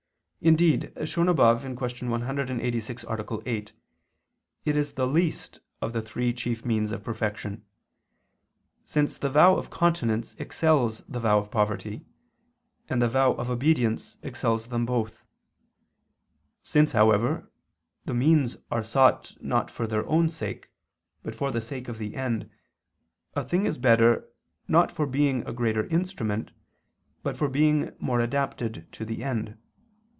Indeed, as shown above (Q. 186, A. 8), it is the least of the three chief means of perfection; since the vow of continence excels the vow of poverty, and the vow of obedience excels them both. Since, however, the means are sought not for their own sake, but for the sake of the end, a thing is better, not for being a greater instrument, but for being more adapted to the end.